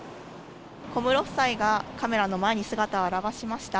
小室夫妻がカメラの前に姿を現しました。